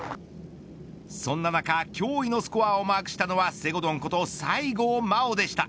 そんな中、驚異のスコアをマークしたのはせごどん、こと西郷真央でした。